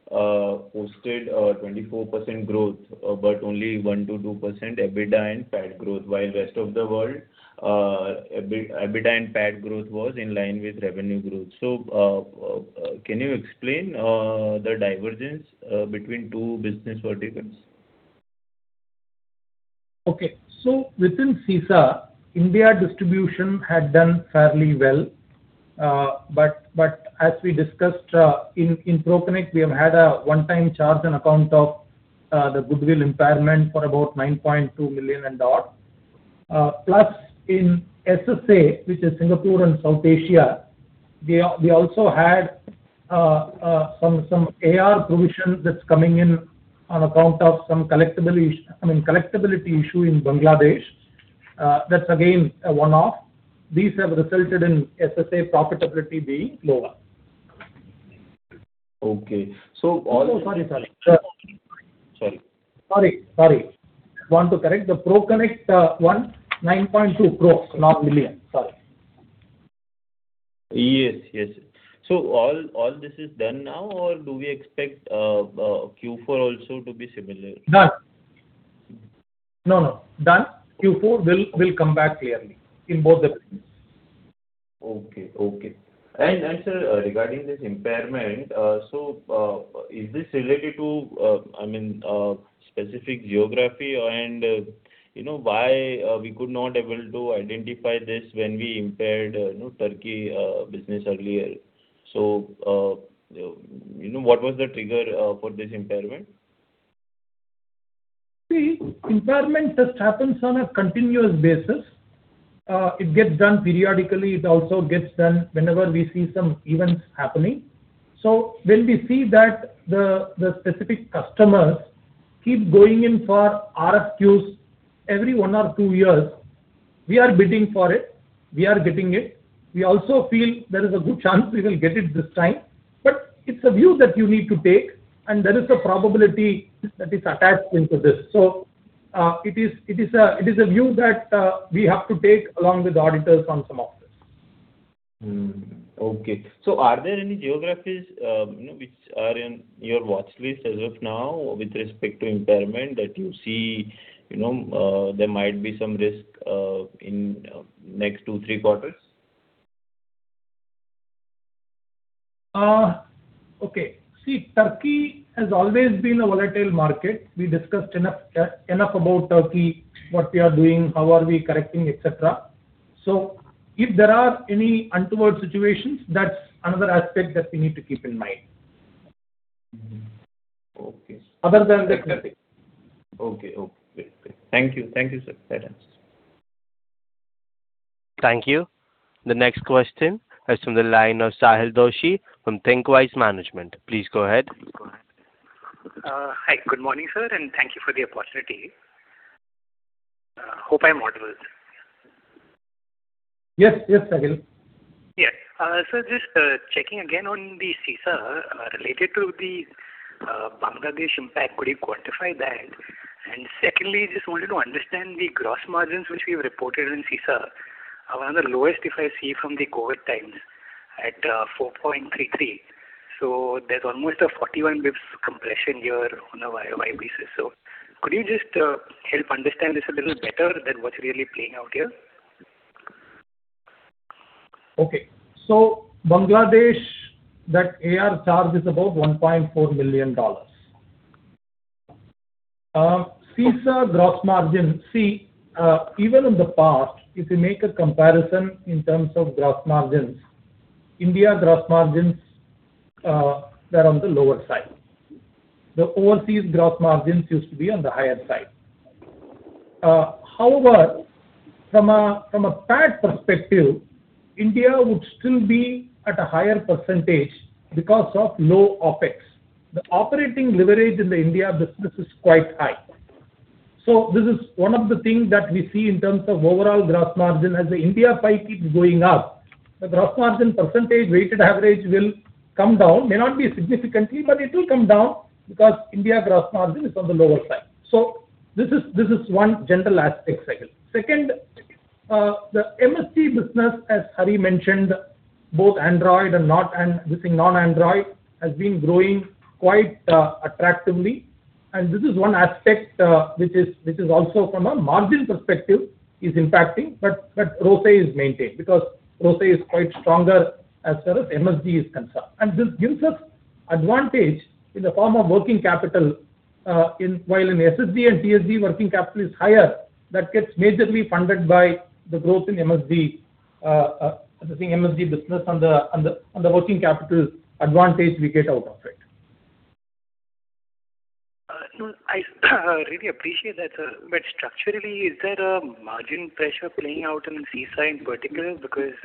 posted 24% growth, but only 1% to 2% EBITDA and PAT growth, while rest of the world EBITDA and PAT growth was in line with revenue growth. So, can you explain the divergence between two business verticals? Okay. So within SESA, India distribution had done fairly well. But as we discussed, in ProConnect, we have had a one-time charge on account of the goodwill impairment for about 9.2 million and odd. Plus, in SSA, which is Singapore and South Asia, we also had some AR provision that's coming in on account of some collectibility, I mean, collectibility issue in Bangladesh. That's again, a one-off. These have resulted in SSA profitability being lower. Okay. So all. Oh, sorry, sorry. Sorry. Sorry, sorry. I want to correct the ProConnect, 19.2 crore, not million. Sorry. Yes, yes. So all this is done now, or do we expect Q4 also to be similar? Done. No, no, done. Q4, we'll come back clearly in both the cases. Okay, okay. And, and sir, regarding this impairment, so, is this related to, I mean, specific geography? And, you know, why, we could not able to identify this when we impaired, you know, Turkey, business earlier? So, you know, what was the trigger, for this impairment? See, impairment just happens on a continuous basis. It gets done periodically. It also gets done whenever we see some events happening. So when we see that the specific customers keep going in for RFQs every one or two years, we are bidding for it, we are getting it. We also feel there is a good chance we will get it this time. But it's a view that you need to take, and there is a probability that is attached into this. So, it is a view that we have to take along with the auditors on some of this. Okay. So are there any geographies, you know, which are in your watchlist as of now with respect to impairment, that you see, you know, in next two, three quarters? Okay. See, Turkey has always been a volatile market. We discussed enough, enough about Turkey, what we are doing, how are we correcting, et cetera. So if there are any untoward situations, that's another aspect that we need to keep in mind. Okay. Other than that. Okay, okay. Great. Thank you. Thank you, sir. Bye then. Thank you. The next question is from the line of Sahil Doshi from Thinqwise Wealth Managers. Please go ahead. Hi. Good morning, sir, and thank you for the opportunity. Hope I am audible. Yes, yes, Sahil. Yeah. So just checking again on the SISA related to the Bangladesh impact, could you quantify that? And secondly, just wanted to understand the gross margins, which we've reported in SISA, are one of the lowest, if I see from the COVID times, at 4.33. So there's almost a 41 BPS compression here on a YOY basis. So could you just help understand this a little better than what's really playing out here? Okay. So Bangladesh, that AR charge is about $1.4 million. SISA gross margin, even in the past, if you make a comparison in terms of gross margins, India gross margins, they're on the lower side. The overseas gross margins used to be on the higher side. However, from a PAT perspective, India would still be at a higher percentage because of low OpEx. The operating leverage in the India business is quite high. So this is one of the things that we see in terms of overall gross margin. As the India pie keeps going up, the gross margin percentage weighted average will come down. May not be significantly, but it will come down because India gross margin is on the lower side. So this is one general aspect, Sahil. Second, the MSD business, as Hari mentioned, both Android and non-Android, has been growing quite attractively. And this is one aspect, which is also from a margin perspective, is impacting, but ROCE is maintained, because ROCE is quite stronger as far as MSD is concerned. And this gives us advantage in the form of working capital, while in TSG and PSG, working capital is higher, that gets majorly funded by the growth in MSD, the MSD business on the working capital advantage we get out of it. No, I really appreciate that, sir. But structurally, is there a margin pressure playing out in the SISA in particular? Because,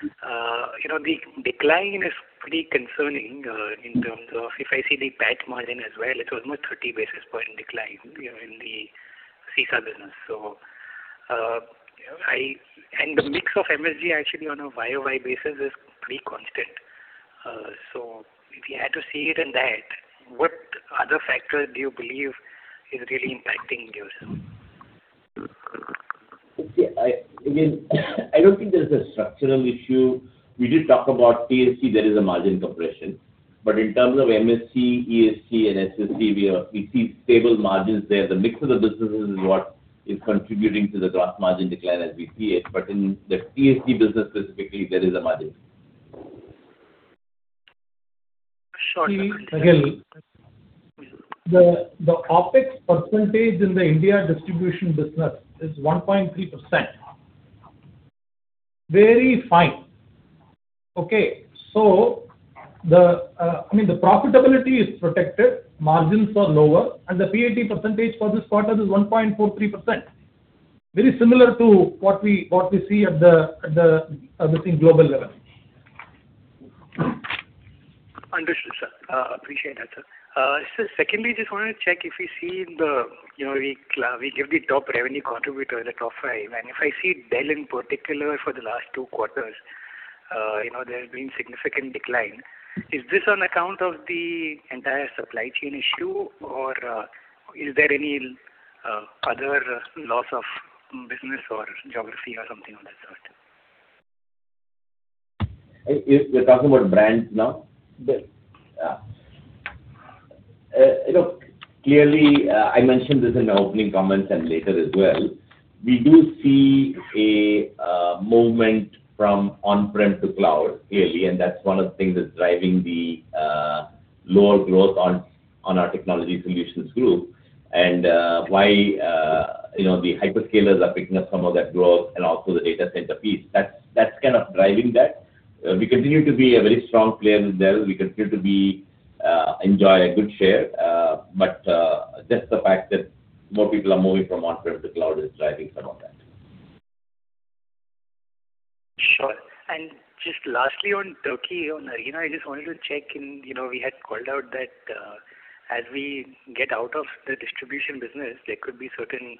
you know, the decline is pretty concerning, in terms of if I see the PAT margin as well, it's almost 30 basis point decline, you know, in the SISA business. So, and the mix of MSD actually on a YOY basis is pretty constant. So if you had to see it in that, what other factor do you believe is really impacting this? Okay. Again, I don't think there's a structural issue. We did talk about TSG. There is a margin compression. But in terms of MSD, PSG, and SSG, we see stable margins there. The mix of the businesses is what is contributing to the gross margin decline as we see it. But in the TSG business specifically, there is a margin. Sure. Sahil, the OpEx percentage in the India distribution business is 1.3%. Very fine. Okay, so, I mean, the profitability is protected, margins are lower, and the PAT percentage for this quarter is 1.43%. Very similar to what we see at the group global level. Understood, sir. Appreciate that, sir. So secondly, just wanted to check if you see the, you know, we give the top revenue contributor, the top five. And if I see Dell in particular for the last two quarters, you know, there has been significant decline. Is this on account of the entire supply chain issue, or is there any other loss of business or geography or something of that sort? You, you're talking about brands now? Yes. You know, clearly, I mentioned this in the opening comments and later as well. We do see a movement from on-prem to cloud, clearly, and that's one of the things that's driving the lower growth on our Technology Solutions Group. And why you know, the hyperscalers are picking up some of that growth and also the data center piece. That's kind of driving that. We continue to be a very strong player with Dell. We continue to enjoy a good share, but just the fact that more people are moving from on-prem to cloud is driving some of that. Sure. Just lastly, on Turkey, on Arena, I just wanted to check in. You know, we had called out that, as we get out of the distribution business, there could be certain,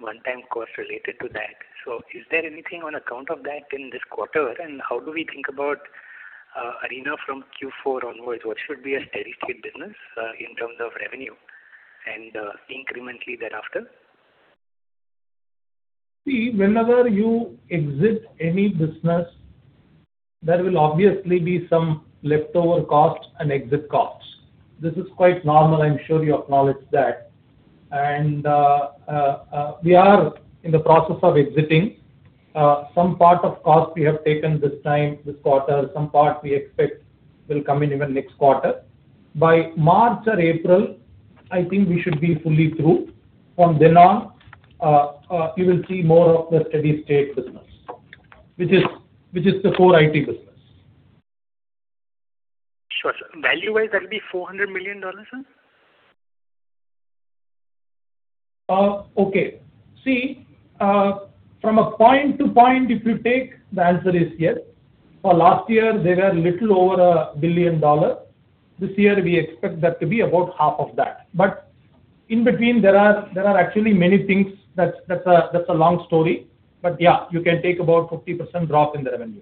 one-time costs related to that. Is there anything on account of that in this quarter? How do we think about Arena from Q4 onwards? What should be a steady-state business, in terms of revenue and incrementally thereafter? See, whenever you exit any business, there will obviously be some leftover costs and exit costs. This is quite normal, I'm sure you acknowledge that. We are in the process of exiting. Some part of cost we have taken this time, this quarter, some part we expect will come in even next quarter. By March or April, I think we should be fully through. From then on, you will see more of the steady state business, which is, which is the core IT business. Sure, sir. Value-wise, that'll be $400 million, sir? Okay. See, from a point to point, if you take, the answer is yes. For last year, they were little over $1 billion. This year, we expect that to be about $500 million. But in between, there are actually many things that's a long story. But yeah, you can take about 50% drop in the revenue.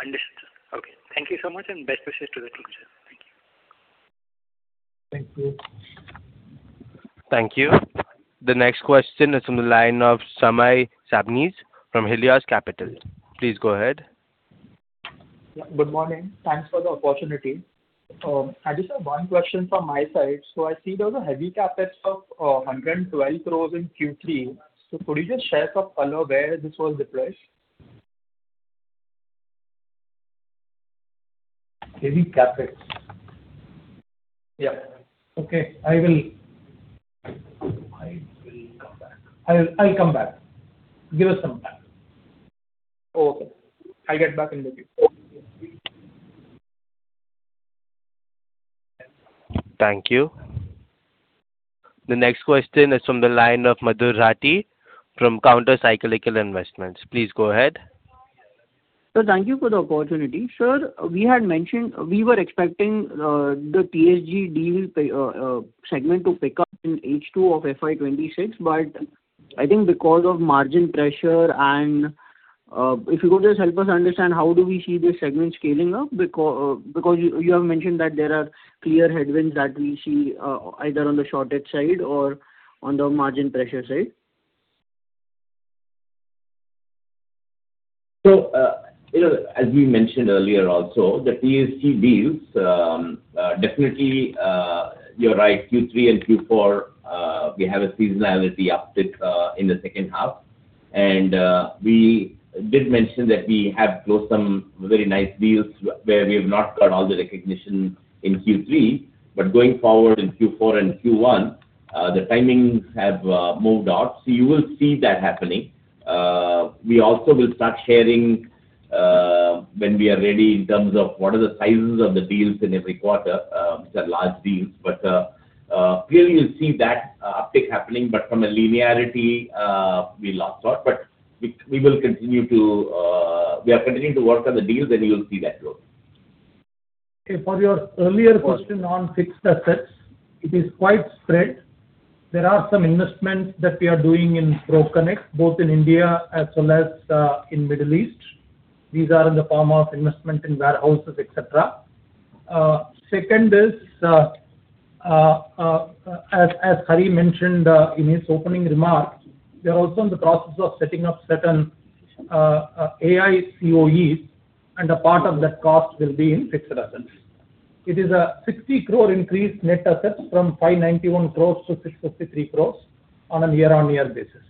Understood. Okay, thank you so much, and best wishes to the team, sir. Thank you. Thank you. Thank you. The next question is from the line of Samay Sabnis from Helios Capital. Please go ahead. Good morning. Thanks for the opportunity. I just have one question from my side. So I see there was a heavy CapEx of 112 crore in Q3. So could you just share some color where this was deployed? Heavy CapEx? Okay, I will come back. I'll come back. Give us some time. Okay. I'll get back to you. Thank you. The next question is from the line of Madhur Rathi from Counter Cyclical Investments. Please go ahead. Sir, thank you for the opportunity. Sir, we had mentioned we were expecting the PSG deal segment to pick up in H2 of FY 26, but I think because of margin pressure and if you could just help us understand, how do we see this segment scaling up? Because you, you have mentioned that there are clear headwinds that we see either on the shortage side or on the margin pressure side. So, you know, as we mentioned earlier also, the PSG deals, definitely, you're right, Q3 and Q4, we have a seasonality uptick, in the second half. And, we did mention that we have closed some very nice deals where we have not got all the recognition in Q3, but going forward in Q4 and Q1, the timings have moved out, so you will see that happening. We also will start sharing, when we are ready in terms of what are the sizes of the deals in every quarter, these are large deals. But, clearly, you'll see that uptick happening, but from a linearity, we lost out. But we, we will continue to. We are continuing to work on the deals, and you will see that grow. Okay, for your earlier question on fixed assets, it is quite spread. There are some investments that we are doing in ProConnect, both in India as well as in the Middle East. These are in the form of investment in warehouses, et cetera. Second is, as Hari mentioned, in his opening remarks, we are also in the process of setting up certain AI COEs, and a part of that cost will be in fixed assets. It is an 60 crore increase in net assets from 591 crores to 653 crores on a year-over-year basis.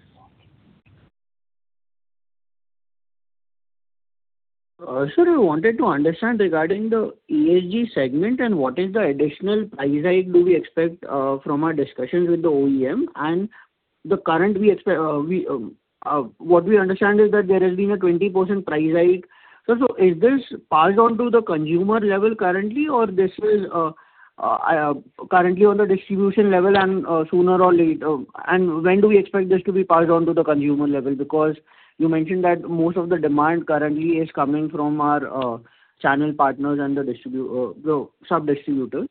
Sir, we wanted to understand regarding the ESG segment and what is the additional price hike do we expect from our discussions with the OEM? And what we understand is that there has been a 20% price hike. Sir, so is this passed on to the consumer level currently, or this is currently on the distribution level and sooner or later? And when do we expect this to be passed on to the consumer level? Because you mentioned that most of the demand currently is coming from our channel partners and the sub-distributors.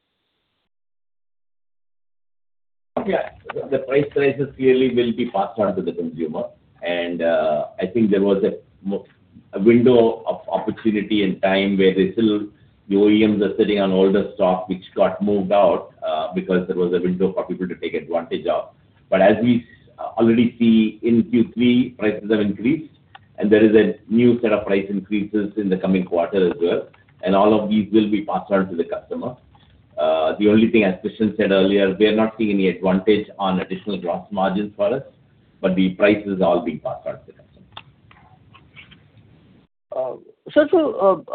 Yeah. The prices clearly will be passed on to the consumer. And, I think there was a window of opportunity and time where they still, the OEMs are sitting on older stock, which got moved out, because there was a window for people to take advantage of. But as we already see in Q3, prices have increased, and there is a new set of price increases in the coming quarter as well, and all of these will be passed on to the customer. The only thing, as Krishnan said earlier, we are not seeing any advantage on additional gross margins for us, but the price is all being passed on to the customer. Sir, so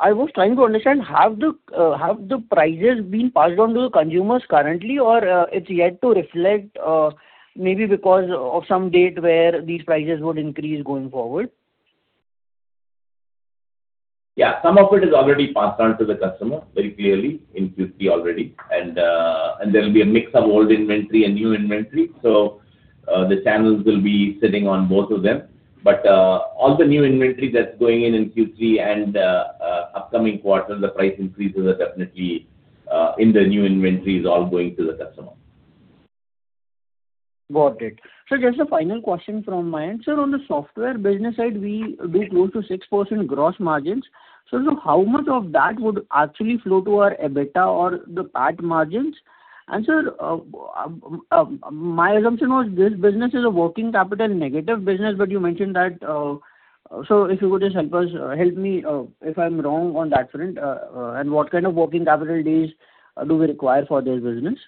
I was trying to understand, have the prices been passed on to the consumers currently, or it's yet to reflect, maybe because of some date where these prices would increase going forward? Yeah. Some of it is already passed on to the customer, very clearly, in Q3 already. And, and there'll be a mix of old inventory and new inventory, so, the channels will be sitting on both of them. But, all the new inventory that's going in in Q3 and, upcoming quarters, the price increases are definitely, in the new inventory is all going to the customer. Got it. Sir, just a final question from my end. Sir, on the software business side, we close to 6% gross margins. Sir, so how much of that would actually flow to our EBITDA or the PAT margins? And sir, my assumption was this business is a working capital negative business, but you mentioned that. So if you could just help us, help me, if I'm wrong on that front, and what kind of working capital days do we require for this business?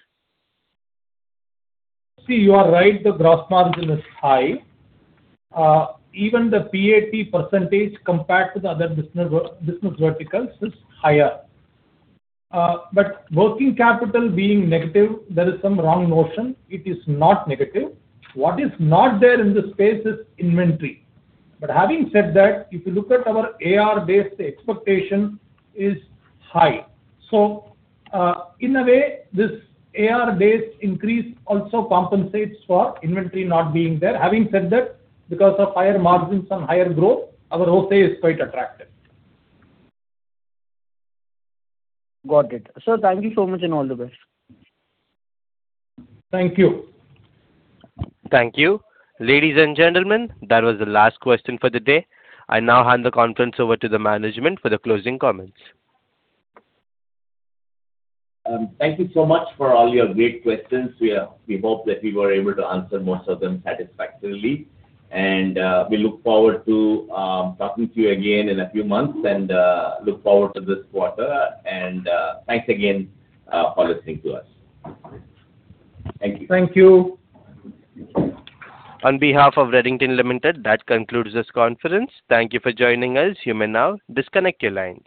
See, you are right, the gross margin is high. Even the PAT percentage compared to the other business verticals is higher. But working capital being negative, there is some wrong notion. It is not negative. What is not there in the space is inventory. But having said that, if you look at our AR days expectation, is high. So, in a way, this AR days increase also compensates for inventory not being there. Having said that, because of higher margins and higher growth, our ROCE is quite attractive. Got it. Sir, thank you so much, and all the best. Thank you. Thank you. Ladies and gentlemen, that was the last question for the day. I now hand the conference over to the management for the closing comments. Thank you so much for all your great questions. We hope that we were able to answer most of them satisfactorily. We look forward to talking to you again in a few months and look forward to this quarter. Thanks again for listening to us. Thank you. Thank you. On behalf of Redington Limited, that concludes this conference. Thank you for joining us. You may now disconnect your line.